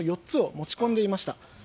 ４つを持ち込んでいました。